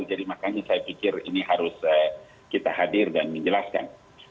jadi makanya saya pikir ini harus kita hadir dan menjelaskan